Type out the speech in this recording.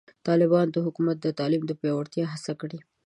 د طالبانو حکومت د تعلیم د پیاوړتیا هڅه کړې.